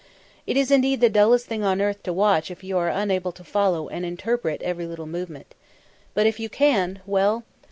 It is indeed the dullest thing on earth to watch if you are unable to follow and interpret every little movement. But if you can well!